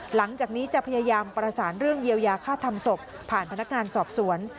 หลังจากนี้จะพยายามประสานเรื่องเยียวยาค่าทำศพผ่านพนักงานสอบสวน